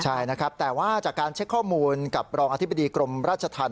ใช่นะครับแต่ว่าจากการเช็คข้อมูลกับรองอธิบดีกรมราชธรรม